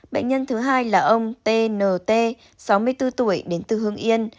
bệnh nhân thứ hai là ông t n t sáu mươi bốn tuổi đến từ hương yên